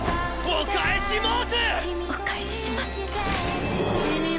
お返しします。